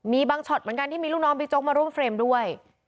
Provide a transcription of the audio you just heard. มีบางช็อตเหมือนกันที่มีลูกน้องบิ๊กโจ๊มาร่วมเฟรมด้วย